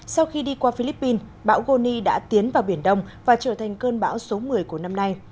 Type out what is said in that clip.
sau khi đi qua philippines bão goni đã tiến vào biển đông và trở thành cơn bão số một mươi của năm nay